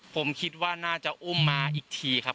ผมคิดว่าน่าจะอุ้มมาอีกทีครับ